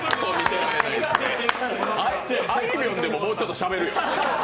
あいみょんでも、もうちょっとしゃべるよ。